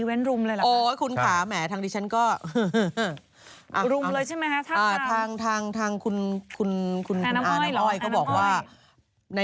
อิเวนท์รุมเลยเหรอมั้น